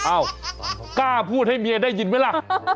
อ้าวกล้าพูดให้เมียได้ยินไหมล่ะ